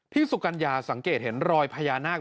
สุกัญญาสังเกตเห็นรอยพญานาค